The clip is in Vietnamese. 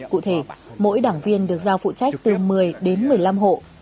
cụ thể mỗi đảng viên được giao phụ trách từ một mươi đến một mươi năm hộ